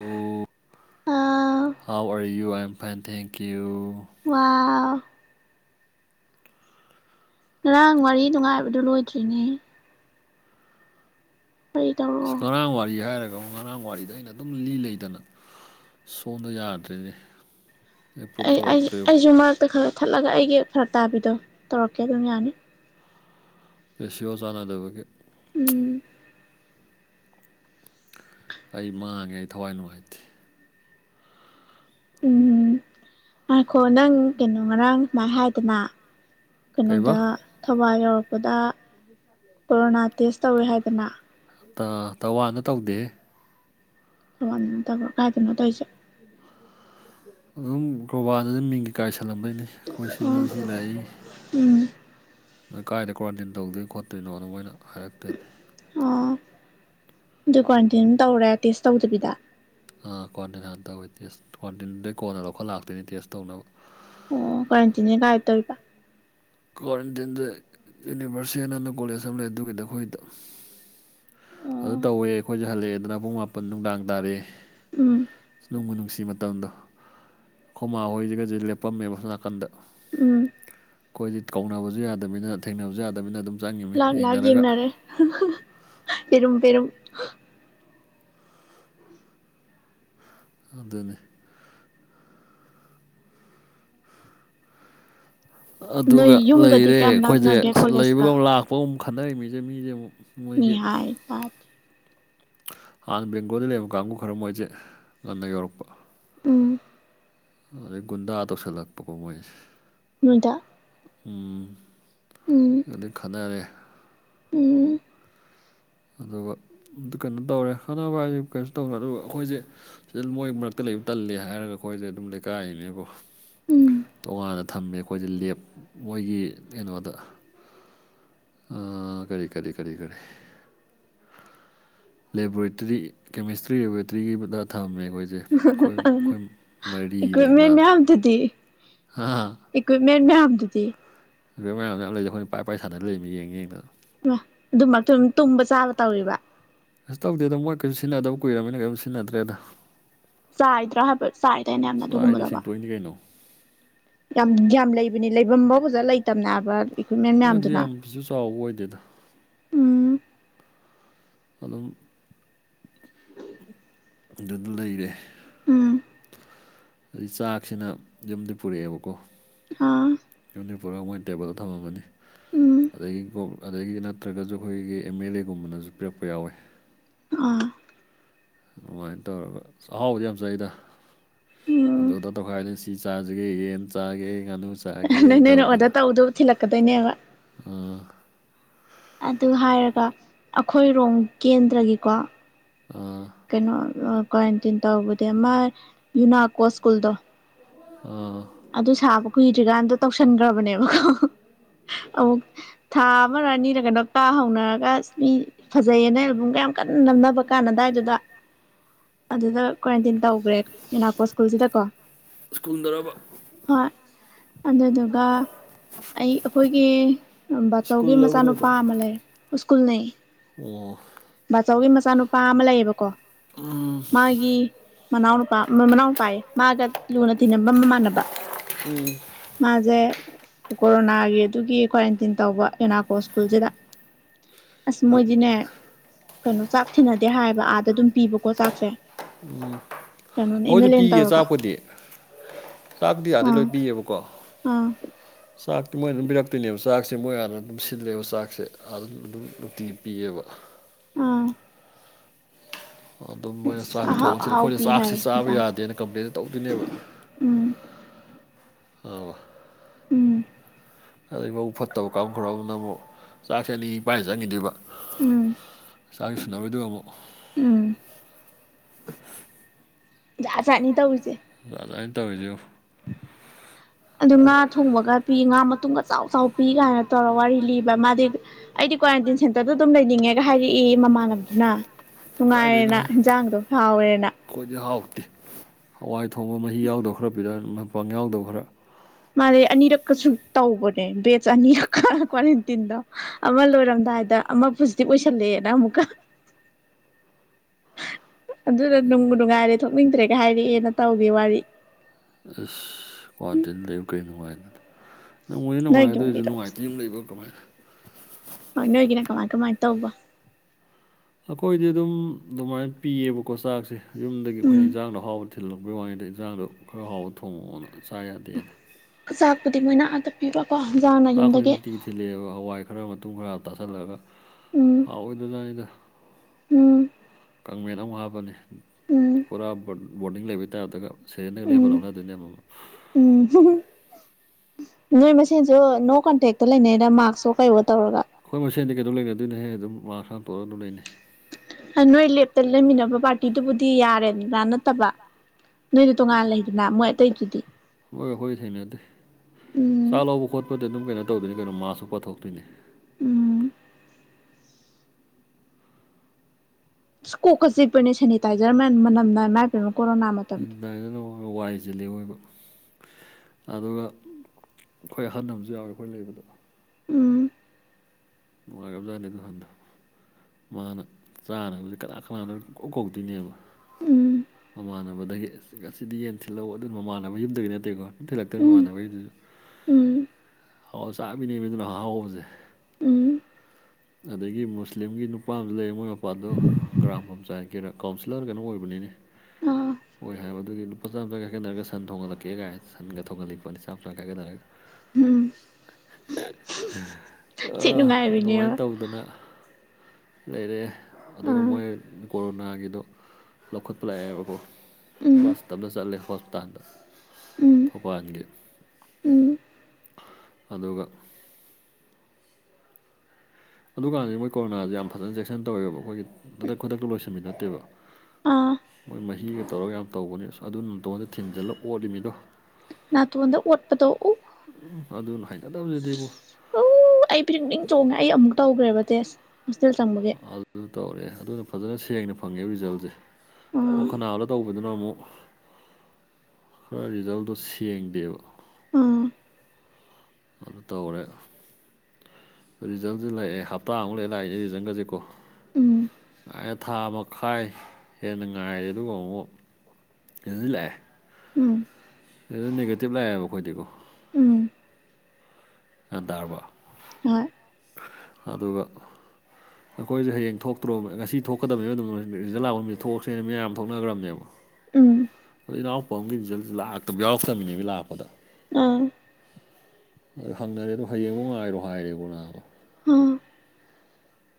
ꯑꯣ ꯑꯥ how are you ꯑꯥꯏꯦꯝ fine ꯊꯦꯡꯀ U ꯋꯥ ꯉꯔꯥꯡ ꯋꯥꯔꯤ ꯅꯨꯡꯉꯥꯏꯕꯗꯨ ꯂꯣꯏꯗ꯭ꯔꯤꯅꯦ ꯋꯥꯔꯤ ꯏꯁ ꯇꯧꯔꯛꯑꯣ ꯀꯅꯥꯝ ꯋꯥꯔꯤ ꯍꯥꯏꯔ ꯑꯣ ꯉꯔꯥꯡ ꯋꯥꯔꯤꯗ ꯑꯩꯅ ꯑꯗꯨꯝ ꯂꯤ ꯂꯩꯗꯅ ꯁꯣꯝꯗ ꯌꯥꯗ꯭ꯔꯦꯅꯦ ꯑꯦꯄ꯭ꯔꯨꯞ ꯑꯩ ꯇꯧꯔꯛꯇ꯭ꯔꯦꯕ ꯑꯩꯁꯨ ꯃꯔꯛꯇ ꯈꯔ ꯊꯠꯂꯒ ꯑꯩꯒꯤ ꯈꯔ ꯇꯥꯕꯤꯗꯣ ꯇꯧꯔꯛꯀꯦ ꯑꯗꯨꯝ ꯌꯥꯅꯤ ꯑꯦ ꯁꯤ ꯑꯣ ꯆꯥꯟꯅꯗꯕꯒꯤ ꯎꯝ ꯑꯩ ꯃꯥꯡꯉꯦ ꯑꯩ ꯊꯋꯥꯏ ꯅꯨꯡꯉꯥꯏꯇꯦ ꯎꯝꯈꯣ ꯅꯪ ꯀꯩꯅꯣ ꯉꯔꯥꯡ ꯁꯨꯃꯥꯏꯅ ꯍꯥꯏꯗꯅ ꯀꯩꯕ ꯀꯩꯅꯣꯗ ꯊꯧꯕꯥꯜ ꯌꯧꯔꯛꯄꯗ ꯀꯣꯔꯣꯅꯥ ꯇꯦꯁ ꯇꯧꯋꯦ ꯍꯥꯏꯗꯅ ꯇꯋꯥꯅ ꯇꯧꯗꯦ ꯊꯅꯤ ꯇ ꯀꯥꯏꯗ ꯅ ꯇꯣꯏꯁ ꯑꯗꯨꯝ ꯀꯣꯔꯕꯥꯟꯗ ꯑꯗꯨꯝ ꯃꯤꯡ ꯀꯩꯀꯥꯏꯁꯜꯂꯝꯕꯩꯅꯤ ꯑꯩꯈꯣꯏ ꯁꯤ ꯑꯣ ꯃꯤꯁꯤ ꯂꯥꯛꯏ ꯎꯝ ꯅꯣꯏ ꯀꯥꯏꯏꯗ ꯀ꯭ꯋꯥꯔꯟꯇꯤꯟ ꯇꯧꯗꯣꯏ ꯈꯣꯠꯇꯣꯏꯅꯣꯅ ꯃꯣꯏꯅ ꯍꯥꯏꯔꯛꯇꯣꯏꯅꯤ ꯑꯣ ꯑꯗꯨ ꯀ꯭ꯋꯥꯇꯤꯟ ꯇꯧꯔꯦ ꯇꯦꯁ ꯇꯧꯗꯕꯤꯗ ꯀ꯭ꯋꯥꯔꯟꯇꯤꯟ ꯍꯥꯟꯅ ꯇꯧꯋꯤ ꯇꯦꯁ ꯀ꯭ꯋꯥꯟꯇꯤꯟꯗꯨꯗꯩ ꯀꯣꯟꯅ ꯂꯧꯈꯠ ꯂꯥꯛꯇꯣꯏꯅꯤ ꯇꯦꯁ ꯇꯧꯅꯕ ꯑꯣ ꯀ꯭ꯋꯥꯔꯦꯟꯇꯤꯟꯁꯦ ꯀꯥꯏꯗ ꯇꯧꯔꯤꯕ ꯀ꯭ꯋꯥꯔꯦꯟꯇꯤꯟꯗ ꯌꯨꯅꯤꯚꯔꯁꯤꯇꯤ ꯑꯅꯅ ꯀꯣꯂꯦꯖ ꯑꯃ ꯂꯩ ꯑꯗꯨꯒꯤꯗꯤ ꯑꯩꯈꯣꯏꯗ ꯑꯗꯨ ꯑꯣ ꯇꯧꯋꯦ ꯑꯩꯈꯣꯏꯁꯦ ꯍꯜꯂꯛꯑꯦ ꯑꯗꯨꯅ ꯄꯨꯡ ꯃꯥꯄꯟ ꯅꯨꯡꯗꯥꯡ ꯇꯥꯔꯛꯑꯦ ꯎꯝ ꯅꯣꯡꯃ ꯅꯨꯡꯁꯤ ꯃꯇꯝꯗꯣ ꯈꯨꯃꯥ ꯍꯣꯏꯁꯤꯒꯁꯦ ꯂꯦꯞꯄꯝꯃꯦꯕ ꯁꯣꯝ ꯅꯥꯀꯟꯗ ꯎꯝ ꯑꯩꯈꯣꯏꯗꯤ ꯀꯧꯅꯕꯁꯨ ꯌꯥꯗꯅꯤꯅ ꯊꯦꯡꯅꯕꯁꯨ ꯌꯥꯗꯅꯤꯅ ꯑꯗꯨꯝ ꯆꯪꯉꯤꯃꯤ ꯂ ꯂꯥꯒ ꯌꯦꯡꯅꯔꯒ ꯌꯦꯅꯔꯦ ꯄꯔꯝꯕꯔꯝ ꯑꯗꯨꯗꯅꯦ ꯅꯣꯏ ꯑꯗꯨꯒ ꯌꯨꯝꯒꯗꯤ ꯂꯩꯔꯦ ꯀꯌꯥꯝ ꯑꯩꯈꯣꯏꯁꯦ ꯂꯥꯞꯅꯒꯦ ꯂꯩꯕꯒ ꯀꯣꯂꯦꯖꯀ ꯂꯥꯛꯄꯒ ꯑꯃꯨꯛ ꯈꯟꯅꯔꯤ ꯃꯤꯁꯦ ꯃꯤꯁꯦ ꯑꯃꯨꯛ ꯃꯣꯏꯒꯤ ꯃꯤꯅꯤꯍꯥꯜ ꯍꯥꯟꯅ ꯕꯦꯡꯒꯣꯜꯗ ꯂꯩꯕ ꯀꯥꯡꯕꯨ ꯈꯔ ꯃꯣꯏꯁꯦ ꯉꯟꯅ ꯌꯧꯔꯛꯄ ꯑꯝ ꯑꯗꯩ ꯒꯨꯟꯗꯥ ꯇꯧꯁꯤꯜꯂꯛꯄꯀꯣ ꯃꯣꯏꯁꯦ ꯅꯨꯣꯏꯗ ꯎꯝ ꯑꯗꯨꯩ ꯈꯟꯅꯔꯦ ꯎꯝ ꯑꯗꯨꯒ ꯀꯩꯅꯣ ꯇꯧꯔꯦ ꯈꯪꯅꯕ ꯍꯥꯏꯁꯦ ꯀꯩꯅꯁꯨ ꯇꯧꯈ꯭ꯔꯦ ꯑꯗꯨꯒ ꯑꯩꯈꯣꯏꯁꯦ ꯁꯤꯗ ꯃꯣꯏ ꯃꯔꯛꯇ ꯂꯩ ꯇꯜꯂꯦ ꯍꯥꯏꯔꯒ ꯑꯩꯈꯣꯏꯁꯦ ꯑꯗꯨꯝ ꯂꯩꯀꯥꯏꯔꯤꯅꯦꯕꯣ ꯎꯝ ꯇꯣꯉꯥꯟꯅ ꯊꯝꯃꯦ ꯑꯩꯈꯣꯏꯁꯦ ꯂꯦꯞ ꯃꯣꯏꯒꯤ ꯀꯩꯅꯣꯗ ꯥ ꯀꯔꯤ ꯀꯔꯤ ꯀꯔꯤ ꯈꯔꯤ ꯂꯦꯕꯣꯔꯦꯇꯔꯤ ꯀꯦꯃꯤꯁꯇ꯭ꯔꯤ ꯂꯦꯕꯣꯔꯦꯇꯔꯤꯒꯤꯗ ꯊꯝꯃꯦ ꯑꯩꯈꯣꯏꯁꯦ ꯑꯩꯈꯣꯏ ꯑꯩꯈꯣꯏ ꯏꯀ꯭ꯋꯞꯃꯦꯟꯅꯦꯇꯗꯤꯤ ꯑꯥ ꯝꯗꯗꯤ ꯑꯩꯣꯏ ꯃꯌꯥꯝ ꯂꯩꯦ ꯑꯩꯈꯣꯏꯅ ꯄꯥꯏ ꯄꯥꯏꯥꯟꯅ ꯂꯩꯕ ꯌꯦꯡꯗꯅ ꯑꯗꯨꯃꯛꯇ ꯑꯗꯨꯝ ꯇꯨꯝꯕ ꯆꯥꯕ ꯇꯧꯋꯕ ꯑꯁ ꯇꯧꯗꯦꯗ ꯃꯣꯏ ꯀꯩꯁꯨ ꯁꯤꯟꯅꯗꯕ ꯀꯨꯏꯔꯕꯃꯤꯅ ꯀꯩꯝ ꯁꯤꯖꯤꯟꯅꯗ꯭ꯔꯦꯗ ꯆꯥꯏꯗ꯭ꯔꯥ ꯍꯥꯏꯕ ꯆꯥꯏꯗꯏꯅꯦ ꯌꯥꯝꯅ ꯆꯥꯏꯗꯤ ꯑꯗꯨꯒꯨꯝꯕꯗꯕ ꯁꯦꯡꯇꯣꯛꯏꯅꯤ ꯀꯩꯅꯣ ꯌꯥꯝ ꯌꯥꯝ ꯂꯩꯕꯅꯤ ꯂꯩꯐꯝꯐꯥꯎ ꯐꯖꯥ ꯂꯩꯇ ꯅꯥꯕ ꯃꯣꯏꯗꯗꯤ ꯌꯥꯝꯁꯨ ꯆꯥꯎꯕ ꯑꯣꯏꯗꯦꯗ ꯎꯝ ꯑꯗꯨꯝ ꯑꯗꯨꯗ ꯂꯩꯔꯦ ꯎꯝ ꯑꯗꯨꯩ ꯆꯥꯛꯁꯤꯅ ꯌꯨꯝꯗ ꯄꯨꯔꯛꯑꯦꯕꯀꯣ ꯍꯥ ꯃꯅꯤꯄꯨꯔꯗ ꯃꯣꯏ ꯇꯦꯕꯜ ꯊꯝꯃꯃꯅꯤ ꯎꯝ ꯑꯗꯒꯤ ꯑꯗꯒꯤ ꯅꯠꯇ꯭ꯔꯒꯁꯨ ꯑꯩꯈꯣꯏꯒꯤ ꯑꯦꯝ ꯑꯦꯜ ꯑꯦꯒꯨꯝꯕꯅꯁꯨ ꯄꯤꯔꯛꯄ ꯌꯥꯎꯋꯤ ꯑ ꯑꯗꯨꯃꯥꯏꯅ ꯇꯧꯔꯒ ꯑꯍꯥꯎꯕꯗꯤ ꯌꯥꯝ ꯆꯩꯗ ꯑꯩꯗ ꯎꯝ ꯑꯣꯔꯗꯔ ꯇꯧꯈ꯭ꯔ ꯍꯥꯏꯔꯅꯤꯅꯦ ꯁꯤ ꯆꯥꯁꯤꯒꯦ ꯌꯦꯟ ꯆꯥꯒꯦ ꯉꯥꯅꯨ ꯆꯦ ꯅꯣꯏ ꯅꯣꯏꯅ ꯑꯣꯔꯗꯔ ꯇꯧꯗꯕꯨ ꯊꯤꯜꯂꯛꯀꯗꯣꯏꯅꯦꯕ ꯑꯥ ꯑꯗꯨ ꯍꯥꯏꯔꯒ ꯑꯩꯈꯣꯏꯔꯣꯡ ꯀꯦꯟꯗ꯭ꯔꯒꯤꯀꯣ ꯑꯥ ꯀꯩꯅꯩꯅꯣ ꯀ꯭ꯋꯥꯔꯦꯟꯇꯤꯟ ꯇꯧꯕꯗ ꯃꯥ ꯌꯨꯅꯥꯀꯣ ꯁ꯭ꯀꯨꯜꯗꯣ ꯎꯝ ꯑꯗꯨ ꯁꯥꯕ ꯀꯨꯏꯗ꯭ꯔꯤꯀꯥꯟꯗ ꯇꯧꯁꯟꯈ꯭ꯔꯕꯅꯦꯕꯀꯣ ꯑꯃꯨꯛ ꯊꯥ ꯑꯃ ꯑꯅꯤꯔ ꯀꯗꯣꯛꯀ ꯍꯧꯅꯔꯒ ꯃꯤ ꯐꯖꯩꯌꯦꯅ ꯑꯦꯜꯕꯝ ꯀ ꯀ ꯅ ꯀꯥꯟꯗꯥꯏꯗꯨꯗ ꯑꯗꯨꯗꯇ ꯇꯧꯈ꯭ꯔꯦ ꯏꯅꯥꯛꯄꯣ ꯁ꯭ꯀꯨꯜꯁꯤꯗꯀꯣ ꯁ꯭ꯀꯨꯜꯗꯔꯕ ꯍꯣꯏ ꯑꯗꯨꯗꯨꯒ ꯑꯩ ꯑꯩꯈꯣꯏꯒꯤ ꯕꯥꯆꯧꯒꯤ ꯁ꯭ꯀꯨꯜꯂꯕ ꯅꯣꯏꯗꯣ ꯃꯆꯥꯅꯨꯄꯥ ꯑꯃ ꯂꯩ ꯁ꯭ꯀꯨꯜꯅ ꯑꯣ ꯑꯆꯧꯒꯤ ꯃꯆꯥꯅꯨꯄꯥ ꯑꯃ ꯂꯩꯌꯦꯕꯀꯣ ꯎꯝ ꯎꯝ ꯃꯥꯒꯤ ꯃꯅꯥꯎ ꯅꯨꯨꯄꯥ ꯃꯅꯥꯎ ꯅꯨꯄꯥꯑ ꯃꯥꯒ ꯂꯨꯅ ꯇꯤꯟꯅꯕ ꯑꯃ ꯃꯥꯟꯅꯕ ꯃꯥꯖꯦ ꯀꯣꯔꯣꯅꯥꯒꯤ ꯑꯗꯨꯒꯤ ꯀ꯭ꯋꯥꯔꯦꯟꯇꯤꯟ ꯇꯧꯕ ꯌꯨꯅꯥꯀꯣ ꯁ꯭ꯀꯨꯜꯁꯤꯗ ꯑꯁ ꯑꯩꯈꯣꯏꯁꯨ ꯃꯣꯏꯗꯤꯅꯦ ꯀꯩꯅꯣ ꯆꯥꯛ ꯊꯤꯟꯅꯗꯦ ꯍꯥꯏꯕ ꯑꯥꯗ ꯑꯗꯨꯝ ꯄꯤꯕꯀꯣ ꯆꯥꯛꯁꯦ ꯎꯝ ꯀꯩꯅꯣꯅ ꯑꯦꯝ ꯑꯩꯈꯣꯏꯁꯨ ꯑꯦꯜ ꯑꯦꯅ ꯄꯤꯌꯦ ꯇꯧꯔꯒ ꯆꯥꯛꯄꯨꯗꯤꯥꯛ ꯗꯤ ꯌꯥꯗꯤ ꯑꯥ ꯂꯣꯏ ꯄꯤꯌꯦꯕꯀꯣ ꯑꯥ ꯆꯥꯛꯇꯤ ꯃꯣꯏꯅ ꯑꯗꯨꯝ ꯄꯤꯔꯛꯇꯣꯏꯅꯦꯕ ꯆꯥꯛꯁꯦ ꯃꯣꯏ ꯍꯥꯟꯅ ꯑꯗꯨꯝ ꯁꯤꯜꯂꯦꯕ ꯆꯥꯛꯁꯦ ꯑꯗꯨꯝ ꯑꯗꯨꯝ ꯅꯨꯡꯇꯤ ꯄꯤꯌꯦꯕ ꯑꯥ ꯑꯗꯨꯝ ꯃꯣꯏꯅ ꯆꯥꯛꯁꯤ ꯑꯍꯥꯎ ꯊꯣꯡꯁꯤ ꯑꯍꯥꯎ ꯑꯩꯈꯣꯏꯅ ꯄꯤ ꯆꯥꯛꯁꯤꯦ ꯍꯥꯏ ꯆꯥꯕ ꯏꯟꯁꯥꯡ ꯌꯥꯗꯦꯅ ꯀꯝꯄ꯭ꯂꯦꯟ ꯇꯧꯗꯣꯏꯅꯦꯕ ꯎꯝ ꯑ ꯎꯝ ꯑꯗꯩ ꯃꯧ ꯐꯠꯇꯕ ꯀꯥꯡꯈ꯭ꯔꯧꯅ ꯑꯃꯨꯛ ꯆꯥꯛꯁꯦ ꯑꯅꯤꯅꯤ ꯄꯥꯏꯅ ꯆꯪꯈꯤꯗꯣꯏꯕ ꯎꯝ ꯆꯥꯛ ꯁꯨꯅꯕꯗꯨ ꯑꯃꯨꯛ ꯎꯝ ꯌꯥ ꯆꯅꯤ ꯇꯧꯁꯦ ꯑꯣꯥꯖꯅ ꯇꯧꯔꯤꯁꯣ ꯑꯗꯨ ꯉꯥ ꯊꯣꯡꯕꯒ ꯄꯤ ꯉꯥ ꯃꯇꯨꯡꯒ ꯆꯥꯎ ꯆꯥꯎ ꯄꯤ ꯀꯥꯏꯅ ꯇꯧꯔꯒ ꯋꯥꯔꯤ ꯂꯤꯕ ꯃꯥꯗꯤ ꯑꯩꯗꯤ ꯀ꯭ꯋꯥꯔꯦꯟꯇꯤꯟ ꯁꯦꯟꯇꯔꯗ ꯑꯗꯨꯝ ꯂꯩꯅꯤꯡꯉꯦꯒ ꯍꯥꯏꯔꯛꯏꯃ ꯅꯕꯅ ꯅꯨꯡꯉꯥꯏꯌꯦꯅ ꯀꯥꯏꯗꯩꯅꯣꯍꯦ ꯏꯟꯁꯥꯡꯗꯣ ꯍꯥꯎꯋꯦꯅ ꯑꯩꯈꯣꯏꯗꯤ ꯍꯥꯎꯇꯦ ꯍꯋꯥꯏ ꯊꯣꯡꯕ ꯃꯍꯤ ꯌꯥꯎꯗꯕ ꯈꯔ ꯄꯤꯗ ꯃꯄꯥꯡ ꯌꯥꯎꯗꯕ ꯈꯔ ꯃꯥꯁ ꯑꯅꯤꯔꯛꯀ ꯁꯨꯝ ꯇꯧꯕꯅꯦ ꯕꯦꯁ ꯑꯅꯤꯔꯛꯀ ꯀ꯭ꯋꯥꯔꯦꯟꯇꯤꯟꯗ ꯑꯃ ꯂꯣꯏꯔꯝꯗꯥꯏ ꯍꯥꯏꯗ ꯑꯃ ꯄꯨꯖꯤꯛꯇꯤ ꯑꯣꯏꯁꯜꯂꯛꯑꯦꯅ ꯑꯃꯨꯛꯀ [unintelligible] ꯑꯗꯨꯗ ꯅꯨꯡꯕꯨ ꯅꯨꯡꯉꯥꯏꯔꯦ ꯊꯣꯛꯅꯤꯡꯗ꯭ꯔꯦꯒ ꯍꯥꯏꯔꯛꯦꯅ ꯇꯧꯗꯦ ꯋꯥꯔꯤ ꯑꯁ ꯅꯪꯉꯣꯏꯅ ꯅꯨꯡꯉꯥꯏ ꯅꯣꯏꯒꯤ ꯑꯗꯨ ꯑꯃꯨꯛ ꯑꯣꯏꯔꯁꯨ ꯂꯤꯔꯛꯎꯁꯦ ꯅꯨꯡꯉꯥꯏꯇꯤ ꯑꯃ ꯂꯩꯕ ꯀꯃꯥꯏꯅ ꯀꯃꯥꯏꯅ ꯇꯧꯕ ꯑꯩꯈꯣꯏꯗꯤ ꯑꯗꯨꯝ ꯑꯗꯨꯃꯥꯏꯅ ꯄꯤꯌꯦꯕꯀꯣ ꯆꯥꯛꯁꯦ ꯌꯨꯝꯗꯒꯤ ꯎꯝ ꯑꯩꯈꯣꯏꯅ ꯏꯟꯖꯥꯡꯗ ꯍꯥꯎꯕꯗ ꯊꯤꯜꯂꯛꯄꯩ ꯃꯉꯩꯗ ꯏꯟꯖꯥꯡꯗꯣ ꯈꯔ ꯍꯥꯎꯕ ꯊꯣꯡꯉꯛꯑꯣꯅ ꯆꯥ ꯌꯥꯗꯦꯅ ꯈꯨꯗꯤꯛ ꯃꯣꯏꯅ ꯑꯥꯗꯞꯄꯤꯕꯣꯀꯣ ꯍꯟꯖꯥꯡꯅ ꯆꯥꯛꯄꯨꯗꯤ ꯌꯨꯝꯗꯒꯤ ꯅꯨꯡꯇꯤꯒꯤ ꯊꯤꯜꯂꯛꯑꯦꯕ ꯍꯋꯥꯏ ꯈꯔ ꯃꯇꯨꯡ ꯈꯔ ꯇꯥꯁꯜꯂꯛꯑꯒ ꯎꯝ ꯍꯥꯎꯑꯣꯏꯗꯅ ꯑꯩꯗ ꯎꯝ ꯀꯥꯡꯃ ꯑꯃ ꯋꯥ ꯍꯥꯞꯄꯅꯤ ꯎꯝ ꯄꯨꯔꯥ ꯕꯣꯔꯗꯤꯡ ꯂꯩꯕ ꯠꯇ ꯁꯤꯅ ꯀꯂꯤꯌꯥꯦ ꯐ ꯂꯅ ꯑꯗꯨ ꯎꯝ ꯎꯝ ꯅꯣꯏ ꯃꯁꯦꯟꯁꯨ ꯅꯣ ꯀꯟꯇꯦꯛꯇ ꯂꯩꯅꯩꯅ ꯃꯥꯛꯁ ꯑꯣ ꯀꯩꯋꯣ ꯇꯧꯔꯒ ꯍꯣꯏ ꯃꯣꯏ ꯁꯦꯟꯗꯤ ꯀꯩꯣꯝ ꯂꯩꯔꯦ ꯑꯗꯨꯣꯏꯅꯦ ꯍꯦꯛ ꯑꯗꯨꯝ ꯋꯥ ꯈꯔ ꯇꯣꯛꯑꯒ ꯑꯗꯨꯝ ꯂꯩꯅꯩ ꯅꯣꯏ ꯂꯦꯞꯇ ꯂꯩꯃꯤꯟꯅꯕ ꯄꯥꯔꯇꯤꯗꯨꯕꯨꯗꯤ ꯌꯥꯔꯦꯗ꯭ꯔꯥ ꯅꯠꯇꯕ ꯅꯣꯏꯗꯤ ꯇꯣꯉꯥꯟ ꯂꯩꯗꯅ ꯃꯣꯏ ꯑꯇꯩꯗꯨꯗꯤ ꯃꯣꯏꯒ ꯑꯩꯈꯣꯏꯒ ꯊꯦꯡꯅꯗꯦ ꯎꯝ ꯆꯥꯛ ꯂꯧꯕ ꯈꯣꯠꯄꯗꯤ ꯑꯗꯨꯝ ꯀꯩꯅꯣ ꯇꯧꯗꯣꯏꯅꯤ ꯀꯩꯅꯣ ꯃꯥꯁꯨ ꯄꯥꯊꯣꯛꯇꯣꯏꯅꯤ ꯎꯝ ꯀꯣꯛꯀ ꯆꯤꯛꯄꯅꯦ ꯁꯦꯅꯤꯇꯥꯏꯖꯔ ꯃꯅꯝꯅ ꯑꯦꯃꯥꯏꯄꯦꯃꯥ ꯁꯅꯤꯇꯥꯏꯖꯦꯔꯟ ꯃꯔꯣꯜ ꯑꯃꯥ ꯋꯥꯏꯁꯤꯜꯂꯤꯦꯛꯑꯣ ꯑꯣꯏꯕ ꯑꯗꯨꯒ ꯑꯩꯈꯣꯏ ꯑꯍꯜ ꯑꯃꯁꯨ ꯌꯥꯎꯋꯦ ꯑꯩꯈꯣꯏ ꯂꯩꯕꯗ ꯎꯝ ꯅꯨꯡꯉꯥꯏꯒꯕꯖꯥꯠꯅꯤ ꯑꯗꯨ ꯍꯥꯟꯗꯣ ꯃꯥꯅ ꯆꯥꯅꯕꯁꯦ ꯀꯅꯥ ꯀꯅꯥꯗ ꯀꯣꯛ ꯀꯣꯛꯇꯣꯏꯅꯦꯕ ꯎꯝ ꯃꯃꯥꯟꯅꯕꯗꯒꯤ ꯑꯁꯤꯁꯤꯗꯤ ꯌꯦꯟ ꯊꯤꯜꯍꯛꯎ ꯑꯗꯨꯅ ꯃꯃꯥꯟꯅꯕ ꯌꯨꯝꯗꯒꯤ ꯅꯠꯇꯦꯀꯣ ꯑꯗꯨ ꯊꯤꯜꯂꯛꯇꯣꯏꯅꯤ ꯎꯝ ꯃꯃꯥꯟꯅꯕꯒꯤꯗꯨꯁꯨ ꯎꯝ ꯍꯥꯎ ꯆꯥꯕꯤꯅꯦꯕ ꯑꯗꯨꯅ ꯍꯥꯎꯕꯁꯦ ꯎꯝ ꯑꯗꯒꯤ ꯃꯨꯁꯂꯤꯝꯒꯤ ꯅꯨꯄꯥ ꯑꯃꯁꯨ ꯂꯩ ꯃꯣꯏ ꯃꯄꯥꯗꯣ ꯒ꯭ꯔꯥꯝ ꯄꯟꯆꯥꯌꯦꯠꯀꯤꯔ ꯀꯥꯎꯟꯁꯤꯜꯂꯔ ꯀꯩꯅꯣ ꯑꯣꯏꯕꯅꯤ ꯑꯥ [inaudible] ꯍꯣꯏ ꯍꯥꯏꯕ ꯑꯗꯨꯒꯤꯗꯤ ꯂꯨꯄꯥ ꯆꯥꯝꯃꯊ꯭ꯔꯥ ꯈꯥꯏꯒꯠꯅꯔꯒ ꯁꯟ ꯊꯣꯡꯒꯠꯂꯛꯀꯦꯒꯥꯏ ꯁꯟꯒ ꯊꯣꯡꯒꯠꯂꯛꯄꯅꯤ ꯆꯥꯃꯨꯊ꯭ꯔꯥ ꯈꯥꯏꯒꯠꯅꯔꯒ [inaudible] ꯊꯤꯅꯅꯨꯡꯉꯥꯏꯕ ꯑꯗꯨꯃꯥꯏꯅ ꯇꯧꯗꯅ ꯂꯩꯔꯑꯦ ꯑꯗꯨꯒ ꯑꯥ ꯃꯣꯏ ꯀꯣꯔꯣꯅꯥꯒꯤꯗꯣ ꯂꯧꯈꯠꯄ ꯂꯥꯛꯑꯦꯕꯀꯣ ꯎꯝ ꯎꯝ ꯊꯧꯕꯥꯜꯒꯤ ꯎꯝ ꯑꯗꯨꯒ ꯑꯗꯨꯀꯥꯟꯗꯤ ꯃꯣꯏ ꯀꯣꯔꯣꯅꯥꯁꯦ ꯌꯥꯝ ꯐꯖꯅ ꯆꯦꯛꯁꯤꯟ ꯇꯧꯋꯦꯕ ꯑꯩꯈꯣꯏꯒꯤ ꯍꯟꯗꯛ ꯈꯨꯗꯛꯇ ꯂꯣꯏꯁꯤꯟꯕꯤ ꯅꯠꯇꯦꯕ ꯑꯥ ꯃꯣꯏ ꯃꯍꯤꯒ ꯇꯧꯔꯒ ꯌꯥꯝ ꯇꯧꯕꯅꯦ ꯑꯗꯨ ꯅꯥꯇꯣꯟꯗ ꯑꯣꯠꯄꯗꯣ ꯎ ꯑꯗꯨꯅ ꯍꯩꯅꯗꯕꯁꯤꯗꯤꯕꯨ ꯑꯩ ꯐꯤꯔꯛꯅꯤꯡ ꯆꯣꯡꯉꯦ ꯑꯩ ꯑꯃꯨꯛ ꯇꯧꯈ꯭ꯔꯦꯕ ꯇꯁ [unintelligible] ꯑꯗꯨꯁꯨ ꯇꯧꯔꯑꯦ ꯑꯗꯨꯅ ꯐꯖꯅ ꯁꯦꯡꯅ ꯐꯪꯉꯦꯕ ꯔꯤꯖꯜꯁꯦ ꯑꯣ ꯑꯥ ꯈꯅꯥ ꯅꯪ ꯔꯤꯖꯜꯇꯣ ꯁꯦꯡꯗꯦꯕ ꯑꯥ ꯑꯗꯨ ꯇ ꯑꯣꯔ ꯔꯤꯖꯜꯗꯤ ꯂꯥꯛꯑꯦ ꯍꯞꯇꯥ ꯑꯃꯨꯛ ꯂꯩ ꯂꯥꯛꯏꯦ ꯔꯤꯖꯟꯒꯁꯤꯦꯀꯣ ꯎꯝ ꯊꯥ ꯃꯈꯥꯏ ꯍꯦꯟꯅ ꯉꯥꯏꯔꯦ ꯑꯗꯨꯒ ꯑꯃꯨꯛ ꯑꯗꯨꯂꯦ ꯎꯝ ꯑꯗꯨ ꯅꯦꯒꯦꯇꯤꯞ ꯂꯥꯛꯑꯦꯕ ꯑꯩꯈꯣꯏꯗꯤꯀꯣ ꯎꯝ ꯑ ꯇꯔꯔꯕ ꯍꯣꯏ ꯑꯗꯨꯒ ꯑꯩꯈꯣꯏꯁꯦ ꯍꯌꯦꯡ ꯊꯣꯛꯇ꯭ꯔꯣ ꯉꯁꯤ ꯊꯣꯛꯀꯗꯕꯅꯦꯕ ꯔꯤꯖꯜ ꯂꯥꯛꯄ ꯃꯤꯗ ꯊꯣꯛꯁ꯭ꯔꯦꯅ ꯃꯌꯥꯝ ꯊꯣꯛꯅꯈ꯭ꯔꯕꯅꯦꯕ ꯎꯝ ꯑꯗꯣ ꯏꯅꯥꯎꯄꯥ ꯑꯃꯒꯤꯒꯤ ꯔꯤꯖꯜꯁ ꯂꯥꯛꯇꯕ ꯌꯥꯎꯔꯛꯇꯕꯃꯤꯅꯦꯕ ꯂꯥꯛꯄꯗ ꯑꯥ ꯑꯗꯨ ꯍꯪꯅꯔꯦ ꯑꯗꯣ ꯍꯌꯦꯡꯕꯨ ꯉꯥꯏꯔꯣ ꯍꯥꯏꯔꯦꯀꯣ ꯅꯍꯣ ꯑꯥ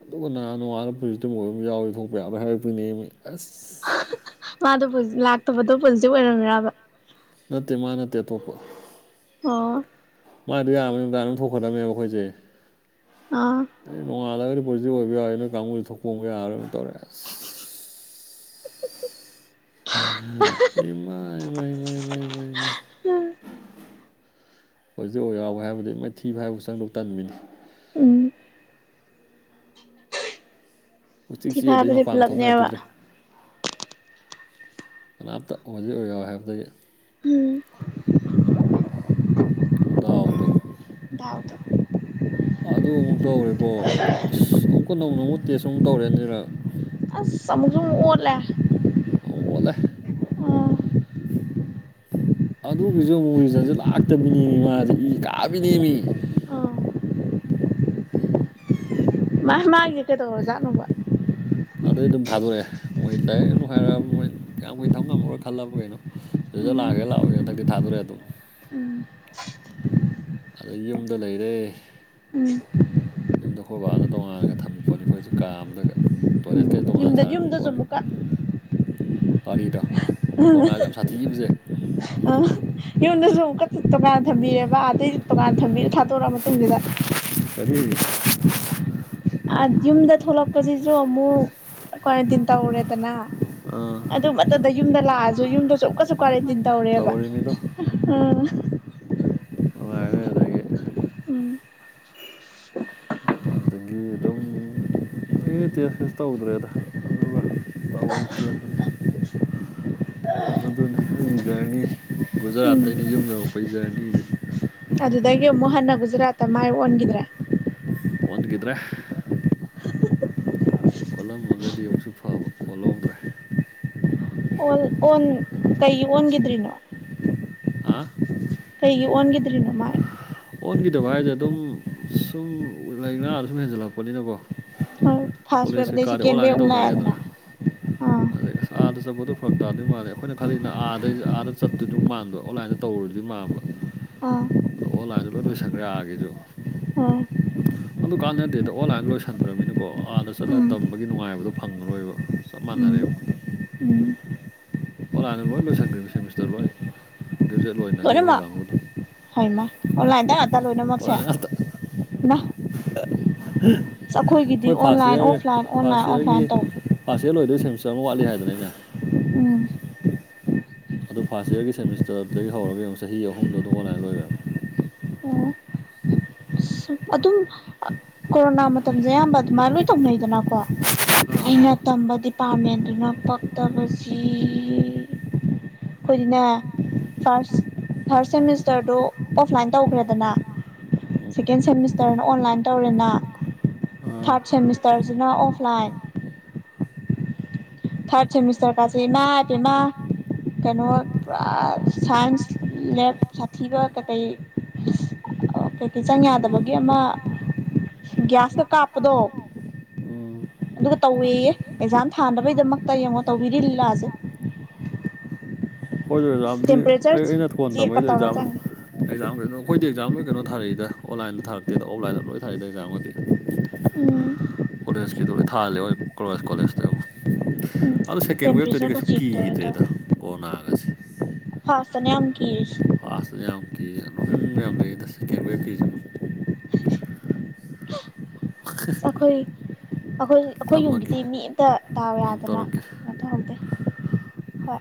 ꯑꯗꯨꯒꯍꯥꯟ ꯅꯨꯡꯉꯥ ꯐꯤꯖꯤꯇ ꯃ ꯑꯣꯏꯕ ꯑꯃ ꯌꯥꯎꯋ ꯊꯣꯛꯄ ꯌꯥꯕ꯭ꯔꯥ ꯍꯥꯏꯔꯛꯄꯅꯦ ꯑꯁ ꯃꯥꯗꯣ ꯂꯥꯛꯇꯕꯗꯣ ꯄꯨꯖꯤꯛ ꯑꯣꯏꯔꯝ꯭ꯔꯕ ꯅꯠꯇꯦ ꯃꯥ ꯅꯠꯇꯦ ꯑꯇꯣꯞꯄ ꯑꯣ ꯃꯥꯗꯣ ꯌꯥꯝꯕꯅꯤꯗꯥ ꯑꯗꯨꯝ ꯊꯣꯛꯀꯗꯕꯅꯦꯕ ꯑꯩꯈꯣꯏꯁꯦ ꯑꯥ ꯅꯣꯉꯜ ꯂꯒꯗꯤ ꯄꯣꯁꯇꯤꯕ ꯌꯥꯑꯣꯔꯦ ꯊꯣꯛꯄꯣꯡꯒꯦꯔ ꯇꯧꯔꯛ ꯑꯥ ꯏꯃꯥꯏ ꯏꯃꯥꯏꯃꯥꯏ [inaudible] ꯎꯝ ꯎꯆꯦꯛ ꯊꯤ ꯆꯦ ꯑꯗꯨꯩ ꯐꯥꯏꯕꯗꯤ ꯃꯄꯥꯡꯒ ꯄꯨꯂꯞꯅꯦꯕ ꯊꯣꯛꯅꯔꯛꯈꯤꯗ꯭ꯔꯦ ꯀꯅꯥꯝꯇ ꯑꯣꯏꯖꯤꯛ ꯑꯣꯏꯌꯎ ꯍꯥꯏꯕꯗꯒꯤ ꯎꯝ ꯎꯗ ꯗꯥꯎꯗꯣ ꯑꯗꯨ ꯑꯃꯨꯛ ꯇꯧꯔꯦꯀꯣ ꯑꯃꯨꯛꯀ ꯅꯧꯅ ꯑꯃꯨꯛ ꯇꯦꯁ ꯑꯃꯨꯛ ꯇꯧꯔꯦꯅꯤꯔ ꯁꯖꯨ ꯑꯣꯠꯂ ꯑ ꯍꯂꯦ ꯑꯗꯨꯒꯤꯁꯨ ꯑꯃꯨꯛ ꯔꯤꯖꯟꯁꯦ ꯂꯥꯛꯇꯕꯤꯅꯦꯃꯤ ꯃꯥꯁꯦ ꯏ ꯀꯥꯕꯤꯅꯦꯃꯤ ꯎꯝ ꯃꯥ ꯃꯥꯒꯤ ꯀꯩꯗꯧꯔꯣ ꯆꯠꯅꯨꯕ ꯑꯗꯨꯩ ꯑꯗꯨꯝ ꯊꯥꯗꯣꯔꯛꯑꯦ ꯃꯣꯏ ꯂꯗꯥꯛꯅꯅꯨꯡ ꯍꯥꯏꯔꯛꯑ ꯃꯣꯏ ꯀꯌꯥꯝ ꯃꯨꯣꯏ ꯊꯕ ꯉꯝꯃꯔꯣꯏ ꯈꯜꯂꯕ ꯀꯩꯅꯣ ꯑꯗꯨꯗ ꯂꯥꯛꯑꯒꯦ ꯂꯥꯛꯑꯣꯒꯦ ꯍꯟꯗꯛꯇꯤ ꯊꯥꯗꯣꯔꯛꯦ ꯑꯗꯨꯝ ꯎꯝ ꯑꯗ ꯌꯨꯝꯗ ꯂꯩꯔꯦ ꯎꯝ ꯌꯨꯝꯗ ꯑꯩꯈꯣꯏ ꯕꯥꯛꯅ ꯇꯣꯉꯥꯟꯂꯒ ꯊꯝꯃꯤꯄꯣꯅꯤ ꯑꯩꯈꯣꯏꯁꯦ ꯀꯥꯝꯗ ꯇꯣꯏꯂꯦꯠ ꯗ ꯌꯨꯝꯗ ꯆꯃꯨꯀꯥ ꯇꯥꯔꯤꯗ ꯑ ꯌꯎꯟꯁꯨ ꯂꯧ ꯀ ꯄ ꯊꯝꯕꯤꯔꯦꯕ ꯑꯇꯩ ꯗꯨꯀꯥꯟ ꯊꯥꯗꯣꯔꯛꯑ ꯃꯇꯨꯡꯁꯤꯗ ꯀꯔꯤ ꯌꯨꯝꯗ ꯊꯣꯛꯂꯛꯄꯁꯤꯁꯨ ꯑꯃꯨꯛ ꯀ꯭ꯋꯥꯔꯦꯟꯇꯤꯟ ꯇꯧꯔꯦꯗꯅ ꯑꯥ ꯑꯗꯨ ꯃꯊꯗ ꯌꯨꯝꯗ ꯂꯥꯛꯑꯁꯨ ꯌꯨꯝꯗꯁꯨ ꯑꯃꯛꯀꯁꯨ ꯀ꯭ꯋꯥꯔꯦꯟꯇꯤꯟ ꯇꯧꯔꯦꯕ ꯇꯧꯔꯤꯃꯤꯗꯣ ꯑ ꯃ ꯑꯗꯨꯗꯒꯤ ꯑꯗꯒꯤ ꯑꯗꯨꯝ ꯐꯗꯤ ꯇꯦꯁ ꯀꯦꯁ ꯇꯧꯗ꯭ꯔꯦꯗ ꯑꯗꯨꯒ ꯇꯥꯎ ꯏꯇ ꯑꯁ ꯑꯗꯨꯅꯤ ꯑꯩꯒꯤ ꯖꯔꯅꯤ ꯒꯨꯖꯔꯥꯠꯇ ꯑꯩꯅ ꯌꯨꯝ ꯌꯧꯔꯛꯄꯒꯤ ꯖꯔꯅꯤꯁꯦ ꯑꯗꯨꯗꯒꯤ ꯑꯃꯨꯛ ꯍꯟꯅ ꯒꯨꯖꯔꯥꯠꯇ ꯃꯥꯏ ꯑꯣꯟꯈꯤꯗ꯭ꯔꯦ ꯑꯣꯟꯒꯗ꯭ꯔꯦ ꯑꯣꯠꯂꯝꯃꯒꯗꯤ ꯑꯃꯨꯛꯁꯨ ꯐꯕ ꯑꯣꯠꯍꯧꯗ꯭ꯔꯦ ꯑꯣ ꯑꯣꯟ ꯀꯩ ꯑꯣꯟꯈꯤꯗ꯭ꯔꯤꯅꯣ ꯍꯥꯥ ꯀꯨ ꯑꯣꯟꯒꯗꯔꯤꯅ ꯃꯥꯥꯏ ꯑꯣꯟꯈꯤꯗꯕ ꯍꯥꯏꯁꯦ ꯑꯗꯨꯝ ꯁꯨꯝ ꯂꯥꯏꯅꯥꯗ ꯁꯨꯝ ꯍꯦꯟꯖꯜꯂꯛꯄꯅꯤꯅꯀꯣ ꯐꯥꯔꯁ ꯀꯣꯂꯦꯖ ꯋꯦꯞ ꯑꯗꯩ ꯀꯩꯀꯥꯗꯤ ꯁꯦꯀꯦꯟ ꯋꯦꯞ ꯑꯣꯟꯂꯥꯏꯟꯁ ꯑꯃꯨꯛ ꯂꯥꯛꯑꯦꯗꯅ ꯇꯧꯅꯔꯦꯗꯅ ꯑꯥ ꯑꯩ ꯑꯁꯥ ꯆꯠꯄꯗꯣ ꯐꯔꯛ ꯇꯥꯔꯗꯤ ꯃꯥꯜꯂꯦ ꯑꯩꯈꯣꯏꯅ ꯈꯜꯂꯤꯅ ꯑꯥꯗꯩ ꯑꯥꯗ ꯆꯠꯇꯣꯏꯗꯨꯗꯤ ꯃꯥꯟꯕ ꯑꯣꯟꯂꯥꯏꯟꯗ ꯇꯧꯔꯨꯔꯗꯤ ꯃꯥꯟꯕ ꯑ ꯑꯗꯣ ꯑꯣꯟꯂꯥꯏꯟꯗ ꯂꯣꯏ ꯂꯣꯏ ꯁꯪꯈꯔꯛꯑꯒꯦꯁꯨ ꯑꯥ ꯑꯗꯨ ꯀꯥꯟꯅ ꯗꯦꯗ ꯑꯣꯟꯂꯥꯏꯟ ꯂꯣꯏꯁꯤꯟꯈ꯭ꯔꯃꯤꯅꯀꯣ ꯑꯥꯗ ꯆꯠꯂꯒ ꯎꯝ ꯇꯝꯕꯒꯤ ꯅꯨꯡꯉꯥꯏꯕꯗꯣ ꯐꯪꯉꯔꯣꯏꯕ ꯆꯞ ꯃꯥꯟꯅ ꯎꯝ ꯑꯕ ꯎꯝ ꯑꯣꯂꯥꯅ ꯂꯣꯏ ꯂꯣꯏꯁꯤꯟꯈ꯭ꯔꯦꯅꯤ ꯁꯦꯃꯤꯁꯇꯔ ꯂꯣꯏ ꯒ꯭ꯔꯦꯖꯨꯋꯦꯠ ꯂꯣꯏꯅꯈꯤꯕ ꯑꯩꯈꯣꯏ ꯂꯣꯏꯅꯃꯛ ꯀꯥꯡꯕꯨꯗꯣ ꯍꯣꯏꯃ ꯑꯣꯟꯂꯥꯏꯟꯗ ꯉꯥꯛꯇ ꯂꯣꯏꯅꯃꯛꯁꯦ ꯑꯣꯟꯂꯥꯏꯟ ꯉꯥꯛꯇ ꯋꯥ ꯑꯩꯈꯣꯏ first year offline first online ꯏꯌꯥꯔꯒꯤ ꯑꯣꯐꯂꯥꯏꯟ ꯇꯧ ꯐꯥ ꯁꯦ ꯂꯣꯏꯗꯣꯏ ꯁꯦꯝꯆꯠ ꯑꯃ ꯋꯥꯠꯂꯤ ꯍꯥꯏꯗꯅꯅꯦ ꯎꯝ ꯑꯗꯨ ꯐꯥꯔꯁ ꯌꯌꯥꯔꯒꯤ ꯁꯦꯃꯤꯁꯇꯔꯗꯒꯤ ꯍꯧꯔꯒ ꯑꯃꯨꯛ ꯆꯍꯤ ꯑꯍꯨꯝꯗꯣ ꯑꯗꯨꯝ ꯑꯣꯟꯂꯥꯏꯟ ꯂꯣꯏꯈ꯭ꯔꯦꯕ ꯑꯣ ꯑꯗꯨꯝ ꯀꯣꯔꯣꯅꯥ ꯃꯇꯝꯁꯦ ꯑꯌꯥꯝꯕ ꯑꯗꯨꯃꯥꯏꯅ ꯂꯣꯏ ꯇꯧꯅꯩꯗꯅꯀꯣ ꯑꯥ ꯑꯩꯅ ꯇꯝꯕ ꯗꯤꯄꯥꯔꯠꯃꯦꯟꯗꯨꯅ ꯄꯛꯇꯕꯁꯤ ꯑꯩꯈꯣꯏꯗꯤꯅꯦ ꯐꯥꯔ ꯐꯥꯔꯁ ꯁꯦꯃꯤꯁꯇꯔꯗꯣ ꯑꯣꯐꯂꯥꯏꯟ ꯃꯗ ꯇꯧꯈ꯭ꯔꯦꯗꯅ ꯎꯗꯗ ꯁꯦꯀꯦꯟ ꯁꯦꯃꯤꯁꯇꯔꯅ ꯑꯣꯟꯂꯥꯏꯟ ꯇꯧꯔꯦꯅ ꯎꯝ ꯊꯥꯔꯠ ꯁꯦꯃꯤꯁꯇꯔꯁꯤꯅ ꯑꯣꯐꯂꯥꯏꯟ ꯊꯥꯔꯗ ꯁꯦꯃꯤꯁꯇꯔ ꯀꯁꯤ ꯃꯥꯦ ꯃꯥ ꯀꯩꯅꯣ ꯄꯨꯔꯥ ꯁꯥꯏꯟꯁ ꯂꯦꯞ ꯁꯥꯊꯤꯕ ꯀꯩꯀꯩ ꯑꯩꯈꯣꯏꯛꯇꯤ ꯆꯪ ꯌꯥꯗꯕꯒꯤ ꯑꯃ ꯒ꯭ꯌꯥꯁꯀ ꯀꯥꯞꯄꯗꯣ ꯎꯝ ꯑꯗꯨꯒ ꯇꯧꯋꯦꯌꯦ ꯑꯦꯛꯖꯥꯝ ꯊꯥꯅꯕꯒꯤꯗꯃꯛꯇ ꯑ ꯇ ꯌꯦꯡꯉꯣ ꯇꯧꯕꯤꯔꯤ ꯂꯤꯂꯣꯥꯁꯦ ꯍꯣꯏꯁꯨ ꯑꯦꯛꯖꯥꯝꯗꯤ ꯑꯩ ꯑꯩꯅ ꯊꯣꯟ ꯆꯦꯛꯀ ꯇꯝꯕꯩꯗꯣ ꯇꯧꯔ ꯑꯦꯛꯖꯥꯝ ꯆꯪꯉꯤ ꯑꯦꯛꯖꯥꯝ ꯀꯩꯅꯣ ꯑꯩꯈꯣꯏꯗꯦꯛ ꯑꯦꯛꯖꯥꯝ ꯂꯣꯏ ꯀꯩꯅꯣ ꯊꯥꯔꯛꯏꯗ ꯑꯣꯟꯂꯥꯏꯟꯗ ꯊꯥꯔꯛꯇꯦꯗ ꯑꯣꯐꯂꯥꯏꯟꯗ ꯂꯣꯏ ꯊꯥꯔꯏꯗ ꯑꯦꯛꯖꯥꯝꯒꯗꯤ ꯎꯝ ꯀꯣꯂꯦꯖꯀꯤꯗꯣ ꯑꯩ ꯊꯥꯍꯜꯂꯦ ꯑꯩꯁ ꯀꯣꯂꯦꯖꯇ ꯑꯃꯨꯛ ꯎꯝ ꯑꯗꯣ ꯁꯦꯀꯦꯟ ꯋꯦꯕꯇꯗꯤ ꯇꯦꯝꯄꯔꯦꯆꯔꯒ ꯀꯩꯁꯨ ꯆꯦꯛ ꯇꯧꯔ ꯀꯤꯗ꯭ꯔꯦꯗ ꯇꯧꯋꯦ ꯀꯣꯔꯣꯅꯥꯒꯁꯦ ꯐꯥꯔꯁꯇꯅꯦ ꯌꯥꯝ ꯀꯤꯔꯤꯁꯦ ꯑꯥꯁꯂꯤꯝ ꯀ ꯂꯣꯏꯦꯟ ꯌꯥꯝꯌꯥꯝ ꯂꯩꯗ ꯁꯦꯀꯦꯟ ꯋꯦꯕꯀꯤꯁꯨ ꯑꯈꯣꯏ ꯑꯩꯈꯣꯏ ꯑꯩꯈꯣꯏ ꯊꯝꯃꯒꯦ ꯌꯨꯝꯒꯤꯗꯤ ꯃꯤ ꯑꯝꯇ ꯗꯥꯥꯎ ꯑꯃꯨꯛ ꯌꯥꯗꯅ ꯇꯧꯔꯛꯀꯦ ꯀꯝꯇꯍꯧꯗꯦ ꯍꯣꯏ